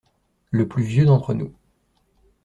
Le plus vieux d’entre nous.